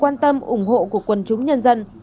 quan tâm ủng hộ của quần chúng nhân dân